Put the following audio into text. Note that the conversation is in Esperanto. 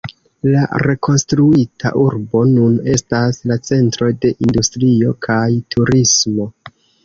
La rekonstruita urbo nun estas la centro de industrio kaj turismo.